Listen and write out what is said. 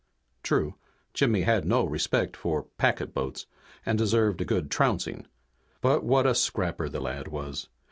True Jimmy had no respect for packet boats and deserved a good trouncing. But what a scrapper the lad was!